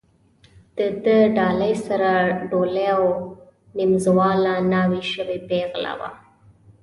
د ده ډالۍ سره ډولۍ او نیمزاله ناوې شوې پېغله وه.